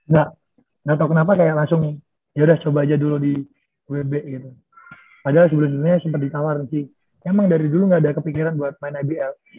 gak gak tau kenapa kayak langsung yaudah coba aja dulu di wb gitu padahal sebelumnya sempet ditawarin sih emang dari dulu gak ada kepikiran buat main ibl